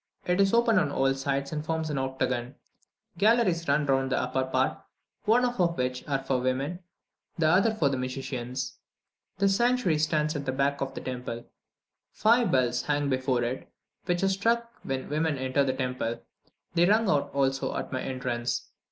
It is open on all sides, and forms an octagon. Galleries run round the upper part, one half of which are for women, the other for the musicians. The sanctuary stands at the back of the temple; five bells hang before it, which are struck when women enter the temple; they rung out also at my entrance.